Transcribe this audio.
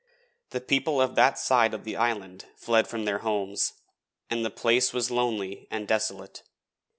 The people of that side of the island fled from their homes, and the place was lonely and desolate.